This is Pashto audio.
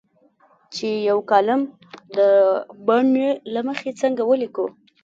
چې یو کالم د بڼې له مخې څنګه ولیکو.